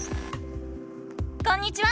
こんにちは！